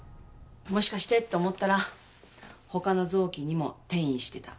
もしかしてと思ったら他の臓器にも転移してた。